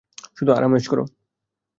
শুধু আরাম-আয়েশ করো।